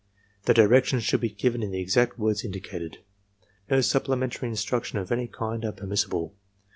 The directions should be given in the exact words indicated. No supplementary instructions of any kind are permissible.